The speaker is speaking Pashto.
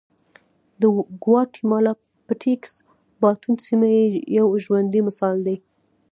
د ګواتیمالا پټېکس باټون سیمه یې یو ژوندی مثال دی